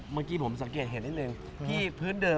ไม่เป็นไรนี่บ้านผมผมรอได้